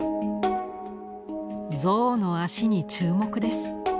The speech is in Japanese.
象の足に注目です。